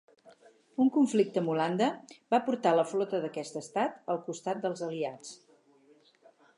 Un conflicte amb Holanda, va portar la flota d'aquest estat al costat dels aliats.